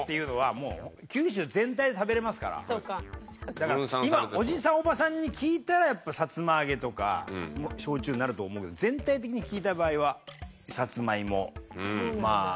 だから今おじさんおばさんに聞いたらやっぱさつま揚げとか焼酎になると思うけど全体的に聞いた場合はサツマイモ。